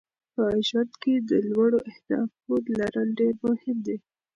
په ژوند کې د لوړو اهدافو لرل ډېر مهم دي.